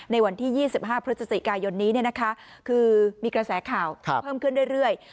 ในวันที่๒๕พฤศจิกายนนี้คือมีกระแสข่าวเพิ่มขึ้นเรื่อย